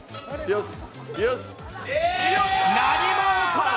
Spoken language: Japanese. よし！